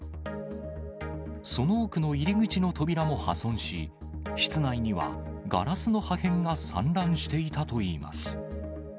その奥の入り口の扉も破損し、室内にはガラスの破片が散乱していたといいます。